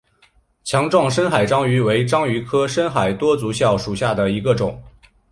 强壮深海章鱼为章鱼科深海多足蛸属下的一个种。